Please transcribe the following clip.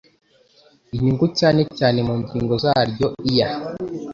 inyungu cyane cyane mu ngingo zaryo iya